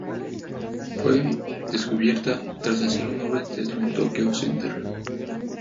Fue "descubierta" tras hacer una obra de teatro en Tokyo Center.